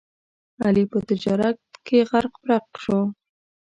علي په تجارت کې غرق پرق شو.